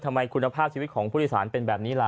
ทำไมคุณภาพชีวิตของผู้โดยสารเป็นแบบนี้ล่ะ